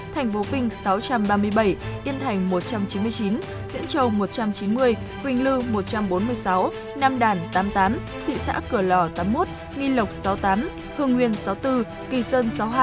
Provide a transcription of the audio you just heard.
thành phố vinh sáu trăm ba mươi bảy yên thành một trăm chín mươi chín diễn châu một trăm chín mươi quỳnh lưu một trăm bốn mươi sáu nam đàn tám mươi tám thị xã cửa lò tám mươi một nghìn lộc sáu mươi tám hương nguyên sáu mươi bốn